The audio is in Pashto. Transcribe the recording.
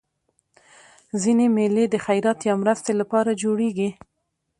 ځيني مېلې د خیرات یا مرستي له پاره جوړېږي.